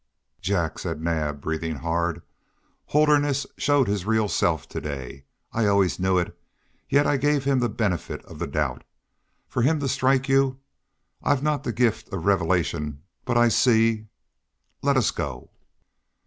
"Jack," said Naab, breathing hard, "Holderness showed his real self to day. I always knew it, yet I gave him the benefit of the doubt.... For him to strike you! I've not the gift of revelation, but I see let us go."